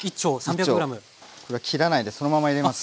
これは切らないでそのまま入れます。